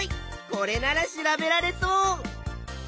これなら調べられそう。